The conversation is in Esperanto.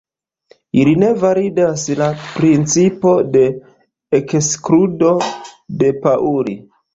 Ili ne validas la principo de ekskludo de Pauli.